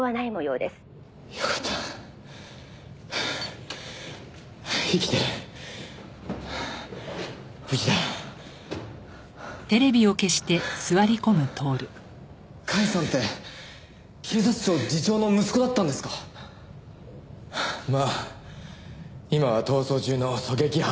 まあ今は逃走中の狙撃犯だけどな。